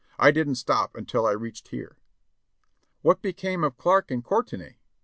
I didn't stop until I reached here." "What became of Clarke and Courtenay?"